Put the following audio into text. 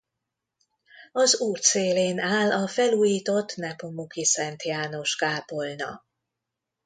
Az út szélén áll a felújított Nepomuki Szent János-kápolna.